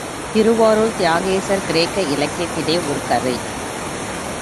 திருவாரூர் தியாகேசர் கிரேக்க இலக்கியத்திலே ஒரு கதை.